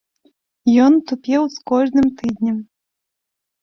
Ён тупеў з кожным тыднем.